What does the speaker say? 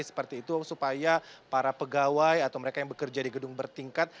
seperti itu supaya para pegawai atau mereka yang bekerja di gedung bertingkat